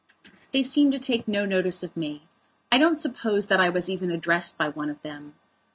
They seemed to take no notice of me; I don't suppose that I was even addressed by one of them.